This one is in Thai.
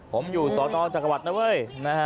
ผมอยู่สตจักรวรรดินะเว้ย